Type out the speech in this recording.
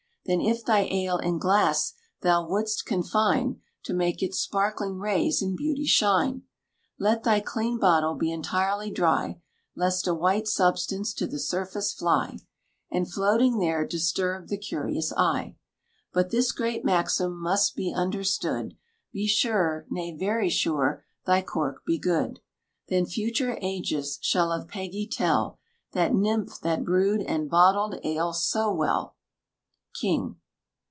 Then if thy ale in glass thou wouldst confine, To make its sparkling rays in beauty shine, Let thy clean bottle be entirely dry, Lest a white substance to the surface fly, And floating there disturb the curious eye; But this great maxim must be understood, "Be sure, nay very sure, thy cork be good." Then future ages shall of Peggy tell, That nymph that brewed and bottled ale so well! KING.